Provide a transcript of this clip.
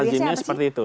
lajinya seperti itu